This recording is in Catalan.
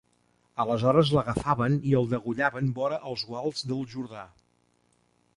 Aleshores l'agafaven i el degollaven vora els guals del Jordà.